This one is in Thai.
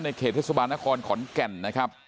เขตเทศบาลนครขอนแก่นนะครับ